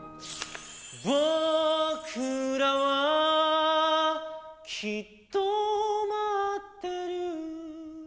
「僕らはきっと待ってる」